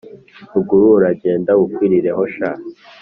Rungu urakagenda bukwirireho sha